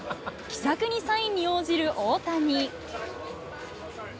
気さくにサインに応じる大谷。